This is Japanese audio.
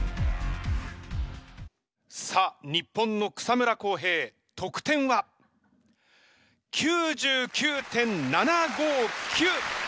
さあ日本の草村航平得点は？９９．７５９！